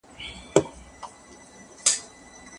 مذهبي آزادي د ژوند ښکلا ده.